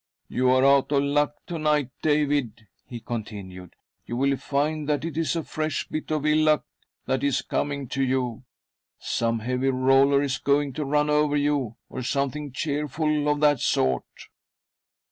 " You are out of luck to night, David," he con tinued. '" You will find that it is a fresh bit of ill luck that is coming to you. Some heavy roller is gOirig to run over you — or something cheerful of that sort!"